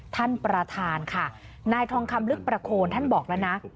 ท่านประธานค่ะนายทองคำลึกประโคนท่านบอกแล้วนะ